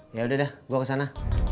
ya udah dah gua kesana